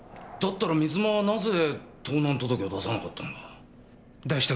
だったら水間はなぜ盗難届を出さなかったんだ？